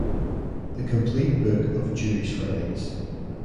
The Complete Book of Jewish Weddings.